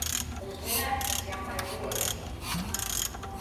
Uzminēt, kas jam aiz uodys.